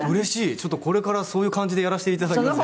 ちょっとこれからそういう感じでやらせていただきます。